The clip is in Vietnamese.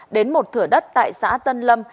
đến một thửa đất tại xã tân lâm